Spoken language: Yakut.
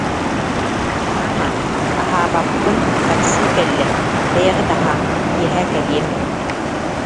Маама, аһаабаппын, такси кэллэ, бэйэҕит аһааҥ, киэһэ кэлиэм